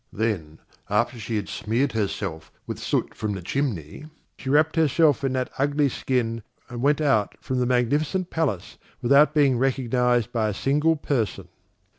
Then after she had smeared herself with soot from the chimney, she wrapped herself up in that ugly skin and went out from the magnificent palace without being recognised by a single person.